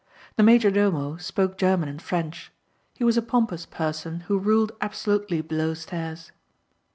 The major domo spoke German and French. He was a pompous person who ruled absolutely below stairs.